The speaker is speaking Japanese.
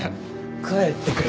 帰ってくれ。